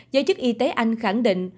giới chức y tế anh khẳng định